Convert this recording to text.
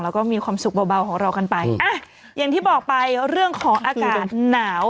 แล้วก็มีความสุขเบาของเรากันไปอ่ะอย่างที่บอกไปเรื่องของอากาศหนาว